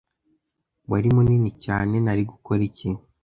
Wari munini cyane! Nari gukora iki?